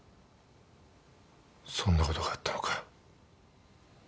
そんなことがあったのか。